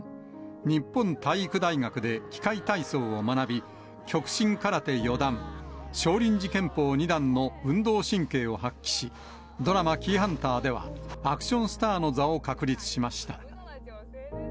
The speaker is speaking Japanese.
日本体育大学で器械体操を学び、極真空手４段、少林寺拳法２段の運動神経を発揮し、ドラマ、キイハンターでは、アクションスターの座を確立しました。